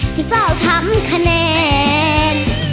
จะเฝ้าทำคะแนน